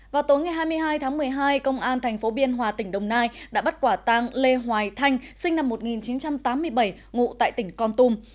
vào tối ngày hai mươi hai tháng một mươi hai công an tp biên hòa tỉnh đồng nai đã bắt quả tang lê hoài thanh sinh năm một nghìn chín trăm tám mươi bảy ngụ tại tỉnh con tum